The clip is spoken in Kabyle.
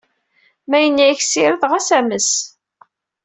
Ma yenna-yak sired, ɣas ames.